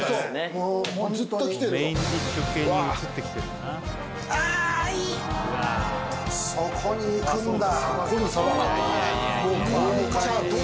豪快に行くんだ。